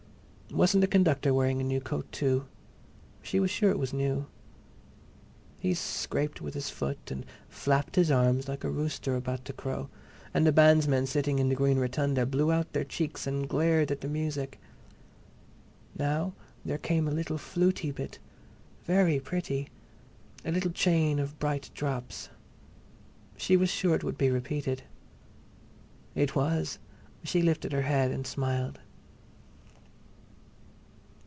Wasn't the conductor wearing a new coat, too? She was sure it was new. He scraped with his foot and flapped his arms like a rooster about to crow, and the bandsmen sitting in the green rotunda blew out their cheeks and glared at the music. Now there came a little "flutey" bit—very pretty!—a little chain of bright drops. She was sure it would be repeated. It was; she lifted her head and smiled.